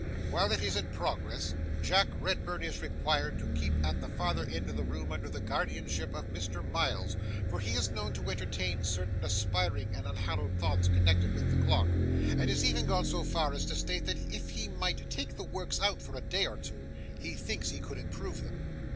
While it is in progress, Jack Redburn is required to keep at the farther end of the room under the guardianship of Mr. Miles, for he is known to entertain certain aspiring and unhallowed thoughts connected with the clock, and has even gone so far as to state that if he might take the works out for a day or two, he thinks he could improve them.